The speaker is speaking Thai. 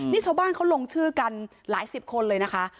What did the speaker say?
นี่ชาวบ้านเขาลงชื่อกันหลายสิบคนเลยนะคะ